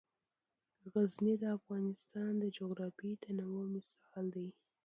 غزني د افغانستان د جغرافیوي تنوع مثال دی.